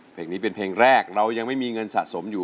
เพลงนี้เป็นเพลงแรกเรายังไม่มีเงินสะสมอยู่